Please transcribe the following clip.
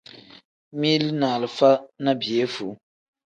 Mili ni alifa ni piyefuu.